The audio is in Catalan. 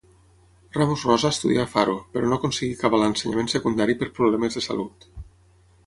Ramos Rosa estudià a Faro, però no aconseguí acabar l'ensenyament secundari per problemes de salut.